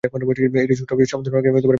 এই ছোটু, সাধু রামকে মাটন আর পেয়াজু দে।